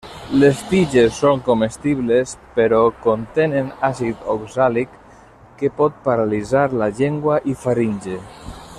Les tiges són comestibles, però contenen àcid oxàlic que pot paralitzar la llengua i faringe.